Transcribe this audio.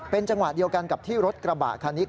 จังหวะเดียวกันกับที่รถกระบะคันนี้